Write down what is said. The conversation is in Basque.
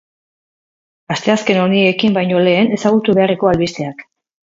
Asteazken honi ekin baino lehen ezagutu beharreko albisteak.